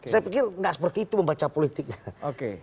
saya pikir nggak seperti itu membaca politiknya